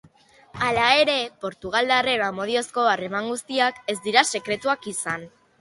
Hala ere, portugaldarraren amodiozko harreman guztiak ez dira sekretuak izan.